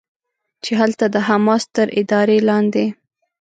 چې هلته د حماس تر ادارې لاندې